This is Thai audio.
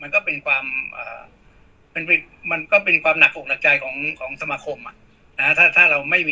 ก็เป็นความหักหลักใจของสมครมนะครับ